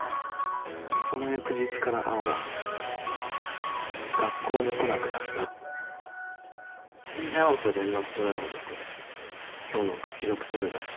その翌日から青は学校に来なくなった全然青と連絡取れないんだけど今日なんか既読スルーだし。